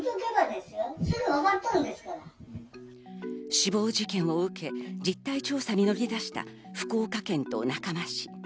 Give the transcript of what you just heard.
死亡事件を受け、実態調査に乗り出した福岡県と中間市。